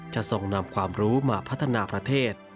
ทรงนำความรู้มาพัฒนาประเทศ